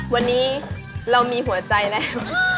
วันนี้เรามีหัวใจแล้ว